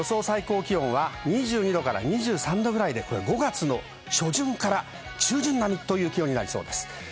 最高気温は２２度から２３度、５月の初旬から中旬並みという気温になりそうです。